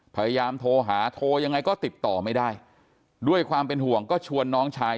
พยายามโทรหาโทรยังไงก็ติดต่อไม่ได้ด้วยความเป็นห่วงก็ชวนน้องชาย